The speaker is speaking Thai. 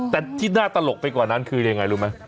แต่ที่น่าตลกไปกว่านั้นคือยังไงรู้ไหม